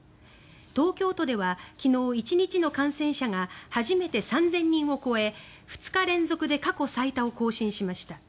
東京都では昨日１日の感染者が初めて３０００人を超え２日連続で過去最多を更新しました。